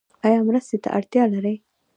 ایا مرستې ته اړتیا لرئ؟